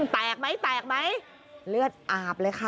แตกไหมแตกไหมเลือดอาบเลยค่ะ